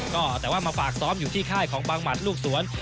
ก็แต่ว่ามาฝากซ้อมอยู่ที่ค่ายของบังหมัดลูกสวน